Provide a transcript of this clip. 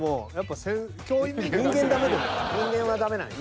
人間はダメなんや。